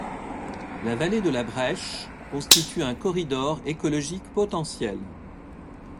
La vallée de la Brêche constitue un corridor écologique potentiel.